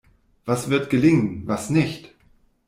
Was wird gelingen, was nicht?